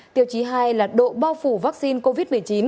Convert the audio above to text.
tiêu chí hai là độ bao phủ vaccine covid một mươi chín